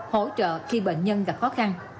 hỗ trợ khi bệnh nhân gặp khó khăn